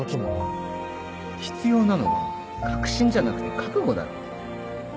必要なのは確信じゃなくて覚悟だろ